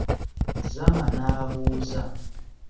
Zama n'abuuza.